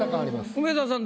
梅沢さん